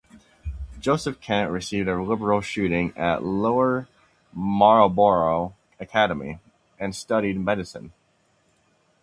Joseph Kent received a liberal schooling at Lower Marlboro Academy, and studied medicine.